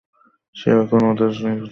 সে এখন ওদের কাছে নিজের মতবাদ প্রচার করছে।